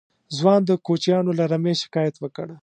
ځوان د کوچيانو له رمې شکايت وکړ.